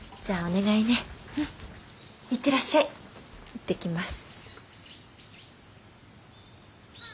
行ってきます。